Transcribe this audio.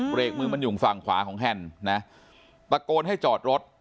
เบรกมือมันอยู่ฝั่งขวาของแฮนด์นะตะโกนให้จอดรถ